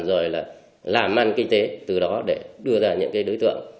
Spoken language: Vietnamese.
rồi là làm ăn kinh tế từ đó để đưa ra những cái đối tượng